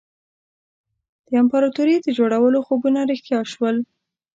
د امپراطوري د جوړولو خوبونه رښتیا شول.